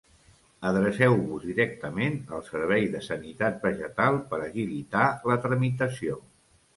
Adreceu-vos directament al Servei de Sanitat Vegetal per agilitar la tramitació.